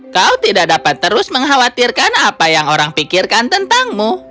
kau tidak dapat terus mengkhawatirkan apa yang orang pikirkan tentangmu